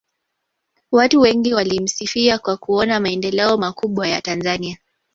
watu wengi walimsifia kwa kuona maendeleo makubwa ya tanzania